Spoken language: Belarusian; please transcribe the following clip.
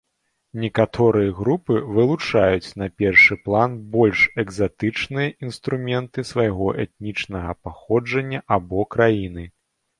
Некаторыя групы вылучаюць на першы план больш экзатычныя інструменты свайго этнічнага паходжання або краіны.